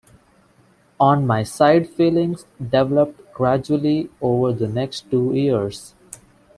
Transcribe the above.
On my side feelings developed gradually over the next two years.